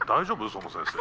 その先生？